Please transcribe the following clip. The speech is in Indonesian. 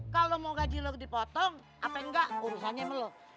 kalo mau gaji lo dipotong apa enggak urusannya sama lo